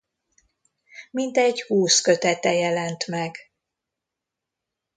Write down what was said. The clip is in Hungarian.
Mintegy húsz kötete jelent meg.